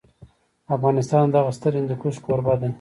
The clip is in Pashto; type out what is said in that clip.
افغانستان د دغه ستر هندوکش کوربه دی.